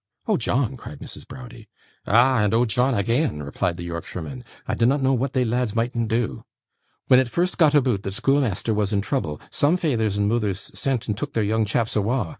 'Oh, John!' cried Mrs. Browdie. 'Ah! and Oh, John agean,' replied the Yorkshireman. 'I dinnot know what they lads mightn't do. When it first got aboot that schoolmeasther was in trouble, some feythers and moothers sent and took their young chaps awa'.